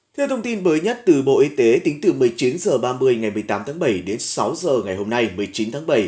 theo thông tin mới nhất từ bộ y tế tính từ một mươi chín h ba mươi ngày một mươi tám tháng bảy đến sáu h ngày hôm nay một mươi chín tháng bảy